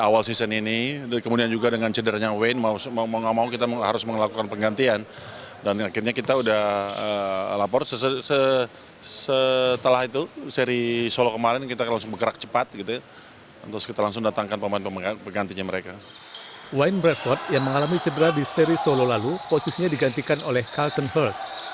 wayne bradford yang mengalami cedera di seri solo lalu posisinya digantikan oleh carlton hurst